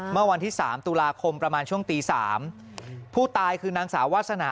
เมื่อวันที่๓ตุลาคมประมาณช่วงตี๓ผู้ตายคือนางสาววาสนา